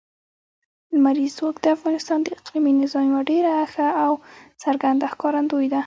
لمریز ځواک د افغانستان د اقلیمي نظام یوه ډېره ښه او څرګنده ښکارندوی ده.